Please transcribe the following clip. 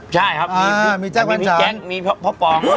ใช่ครับมีพี่แจ๊งพ่อพอง